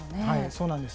そうなんです。